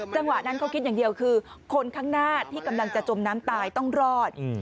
จังหวะนั้นเขาคิดอย่างเดียวคือคนข้างหน้าที่กำลังจะจมน้ำตายต้องรอด